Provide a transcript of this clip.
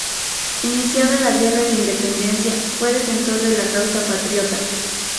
Iniciada la guerra de independencia fue defensor de la causa Patriota.